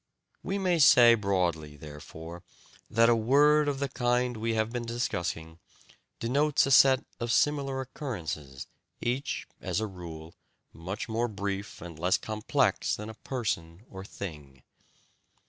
We may say broadly, therefore, that a word of the kind we have been discussing denotes a set of similar occurrences, each (as a rule) much more brief and less complex than a person or thing.